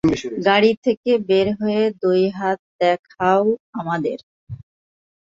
গাড়ি থেকে বের হয়ে দুই হাত দেখাও আমাদের!